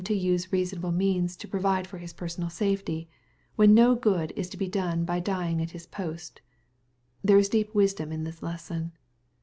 319 use reasonable means to provide for his personal safety^ when no good is to be done by dying at his post. There is deep wisdom in this lesson.